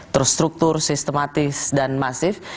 terus struktur sistematis dan masif